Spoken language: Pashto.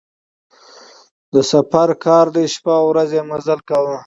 د سفر کار دی شپه او ورځ یې مزل کاوه.